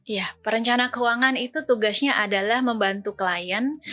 ya perencana keuangan itu tugasnya adalah membantu klien